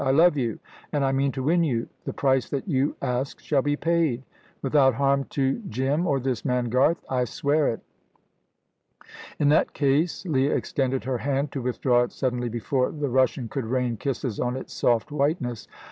"I love you, and I mean to win you. The price that you ask shall be paid." "Without harm to Jim or this man Garth?" "I swear it." "In that case" Leah extended her hand, to withdraw it suddenly before the Russian could rain kisses on its soft whiteness.